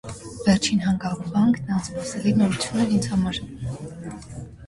Վերջին հանգամանքն անսպասելի նորություն էր ինձ համար: